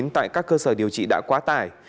tại các cơ sở điều trị đã quá tải